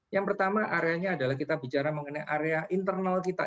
yang pertama areanya adalah kita bicara mengenai area internal kita